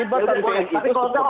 kita membuat sedikit yang berubah